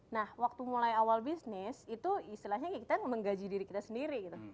nah waktu mulai awal bisnis itu istilahnya kita menggaji diri kita sendiri gitu